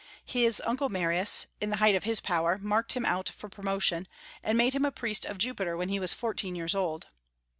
His uncle Marius, in the height of his power, marked him out for promotion, and made him a priest of Jupiter when he was fourteen years old.